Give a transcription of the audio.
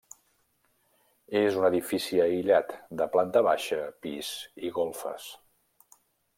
És un edifici aïllat, de planta baixa, pis i golfes.